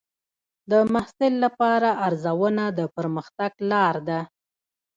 د محصل لپاره ارزونه د پرمختګ لار ده.